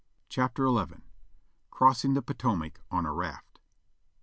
CHAPTER XL CROSSING THE POTOMAC ON A RAFT.